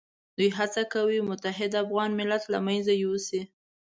دوی هڅه کوي متحد افغان ملت له منځه یوسي.